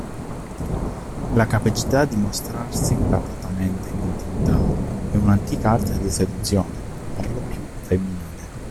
La capacità di "mostrarsi gradatamente" in intimità è un'antica arte di seduzione, perlopiù femminile.